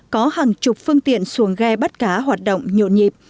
có hàng chục phương tiện xuồng ghe bắt cá hoạt động nhộn nhịp